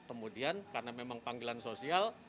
kemudian karena memang panggilan sosial